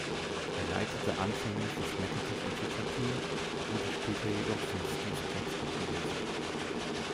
Er leitete anfänglich das Macintosh-Entwickler-Team, wurde später jedoch von Steve Jobs abgelöst.